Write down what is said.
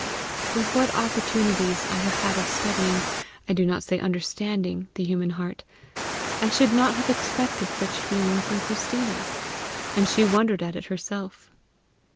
With what opportunities I have had of studying, I do not say UNDERSTANDING, the human heart, I should not have expected such feeling from Christina and she wondered at it herself.